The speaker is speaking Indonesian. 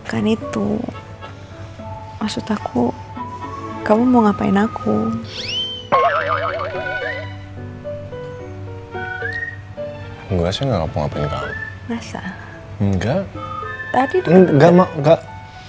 bukan itu maksud aku kamu mau ngapain aku gua nggak mau ngapain kamu nggak tadi enggak enggak